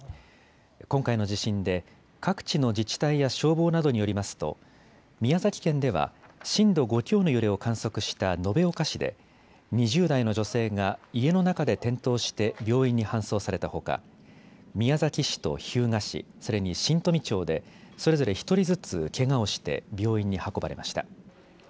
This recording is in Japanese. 今回の地震で、各地の自治体や消防などによりますと、宮崎県では震度５強の揺れを観測した延岡市で２０代の女性が家の中で転倒して病院に搬送されたほか、宮崎市と日向市、それに新富町で、それぞれ１人ずつ、けがをして病院に運ばれました。